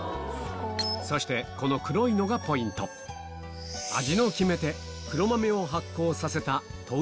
そしてこの黒いのがポイント味の決め手